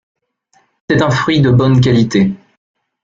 C'est un fruit de bonne qualité.